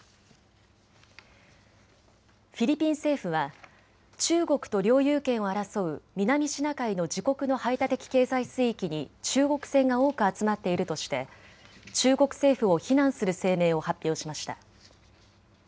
フィリピン政府は中国と領有権を争う南シナ海の自国の排他的経済水域に中国船が多く集まっているとして中国政府を非難する声明を発表しました。